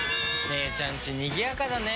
姉ちゃんちにぎやかだね。